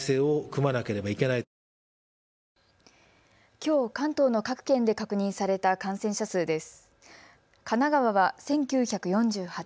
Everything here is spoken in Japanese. きょう関東の各県で確認された感染者数です。